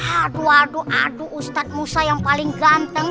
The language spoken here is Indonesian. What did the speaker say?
aduh aduh aduh ustaz musa yang paling ganteng